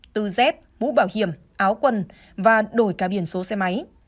từ dép mũ bảo hiểm áo quần và đổi cả biển số xe máy